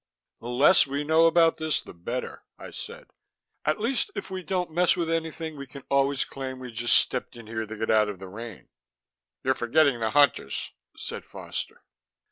"The less we know about this, the better," I said. "At least, if we don't mess with anything, we can always claim we just stepped in here to get out of the rain " "You're forgetting the Hunters," said Foster.